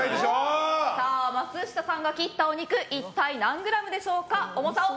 さあ、松下さんが切ったお肉一体、何グラムでしょうか。